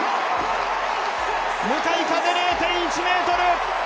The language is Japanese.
向かい風０．１ｍ。